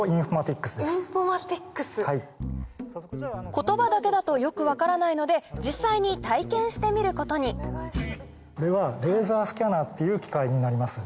言葉だけだとよく分からないので実際に体験してみることにっていう機械になります。